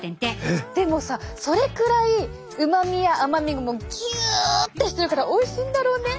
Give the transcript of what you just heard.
えっ！でもさそれくらいうまみや甘みがギュッてしてるからおいしいんだろうね。